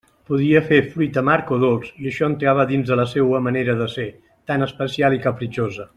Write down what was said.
Podia fer fruit amarg o dolç, i això entrava dins de la seua manera de ser, tan especial i capritxosa.